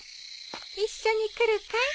一緒に来るかい？